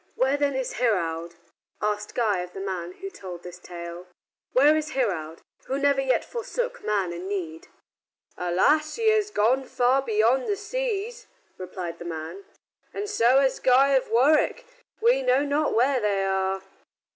"Where, then, is Heraud?" asked Guy of the man who told this tale. "Where is Heraud, who never yet forsook man in need?" "Alas! he has gone far beyond the seas," replied the man, "and so has Guy of Warwick. We know not where they are."